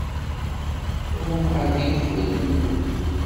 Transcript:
Uwḍen ɣer din uqbel-nwen.